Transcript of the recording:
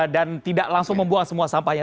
dan tidak langsung membuang semua sampahnya